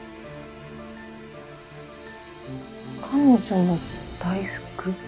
彼女も大福？